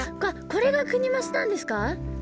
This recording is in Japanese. これがクニマスなんですか？